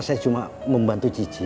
saya cuma membantu cici